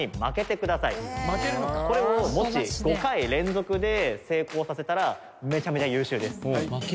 これをもし５回連続で成功させたらめちゃめちゃ優秀です。